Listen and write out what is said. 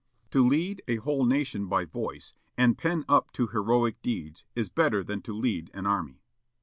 To lead a whole nation by voice and pen up to heroic deeds is better than to lead an army.